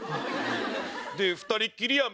で２人っきりやん